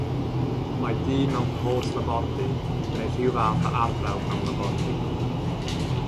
Mae dyn mewn côt labordy yn gwneud rhyw fath o arbrawf mewn labordy.